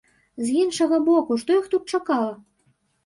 З іншага боку, што іх тут чакала?